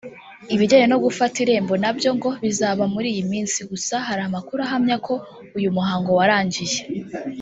Ibijyanye no gufata irembo nabyo ngo “bizaba muri iyi minsi” gusa hari amakuru ahamya ko uyu muhango warangiye